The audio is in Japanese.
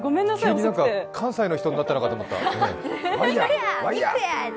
急に関西の人になったのかと思った。